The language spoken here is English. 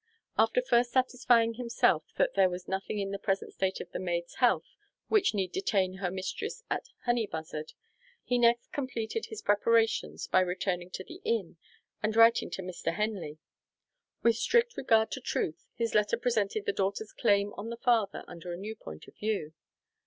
After first satisfying himself that there was nothing in the present state of the maid's health which need detain her mistress at Honeybuzzard, he next completed his preparations by returning to the inn, and writing to Mr. Henley. With strict regard to truth, his letter presented the daughter's claim on the father under a new point of view.